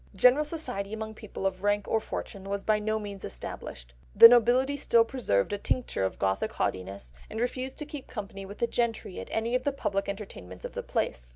General society among people of rank or fortune was by no means established. The nobility still preserved a tincture of Gothic haughtiness, and refused to keep company with the gentry at any of the public entertainments of the place.